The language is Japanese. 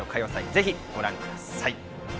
ぜひご覧ください。